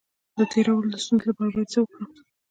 د تیرولو د ستونزې لپاره باید څه وکړم؟